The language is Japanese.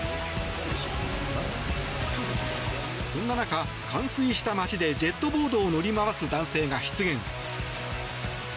そんな中、冠水した街でジェットボードを乗り回す男性が出現！